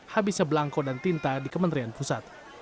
habisnya belangko dan tinta di kementerian pusat